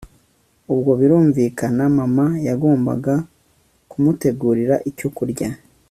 ubwo birumvikana mama yagombaga kumutegurira icyo kurya